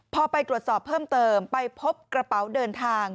พอไปตรวจสอบเพิ่มเติมไปพบกระเป๋าเดินทาง